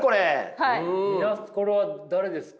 これは誰ですか？